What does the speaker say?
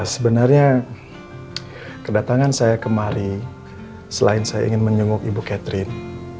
sebenarnya kedatangan saya kemari selain saya ingin menjenguk ibu catherine